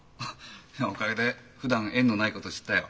おかげでふだん縁のないこと知ったよ。